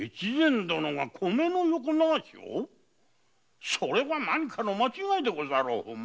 米の横流しを⁉それは何かの間違いでござろう。